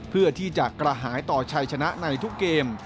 เพื่อที่จะกระหายต่อชัยชนะในทุกเกม